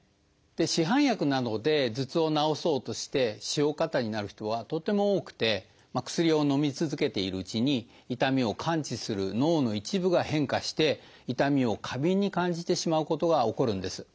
市販薬なので頭痛を治そうとして使用過多になる人はとっても多くて薬をのみ続けているうちに痛みを感知する脳の一部が変化して痛みを過敏に感じてしまうことが起こるんです。